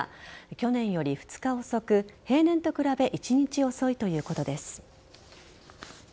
去年より２日遅く平年と比べ一日遅いということです。